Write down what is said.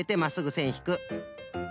せんひく。